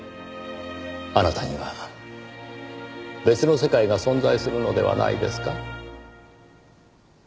あなたには別の世界が存在するのではないですか？